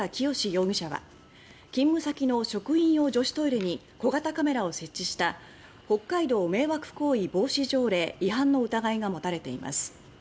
容疑者は勤務先の職員用女子トイレに小型カメラを設置した北海道迷惑行為防止条例違反の疑いが持たれています。